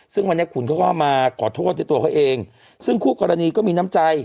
ซึ่งวันนี้ขุนเขาก็มาขอโทษด้วยตัวเขาเองซึ่งคู่กรณีก็มีน้ำใจ